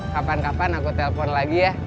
kapan kapan aku telpon lagi ya